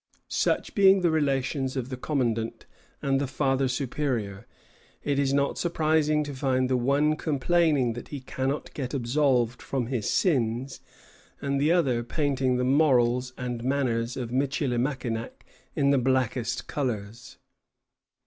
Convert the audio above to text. " Such being the relations of the commandant and the Father Superior, it is not surprising to find the one complaining that he cannot get absolved from his sins, and the other painting the morals and manners of Michilimackinac in the blackest colors.